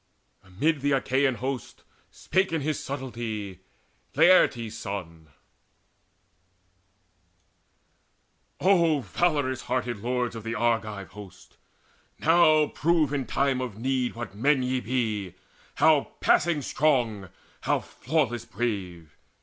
Amid the Achaean host Spake in his subtlety Laertes' son: "O valorous hearted lords of the Argive host, Now prove in time of need what men ye be, How passing strong, how flawless brave!